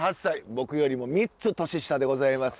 僕よりも３つ年下でございます。